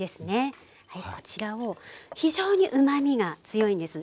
こちらを非常にうまみが強いんです。